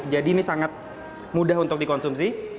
jadi ini sangat mudah untuk dikonsumsi